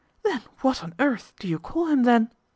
" Then what on earth do you call him then